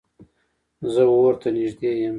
زه اور ته نږدې یم